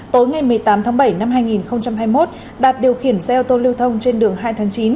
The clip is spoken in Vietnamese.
tối ngày một mươi tám tháng bảy năm hai nghìn hai mươi một đạt điều khiển xe ô tô lưu thông trên đường hai tháng chín